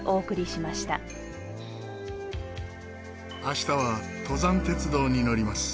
明日は登山鉄道に乗ります。